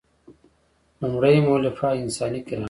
لومړۍ مولفه انساني کرامت دی.